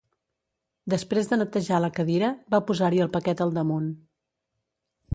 Després de netejar la cadira, va posar-hi el paquet al damunt.